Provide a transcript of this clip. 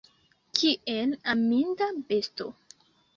Kiel aminda besto!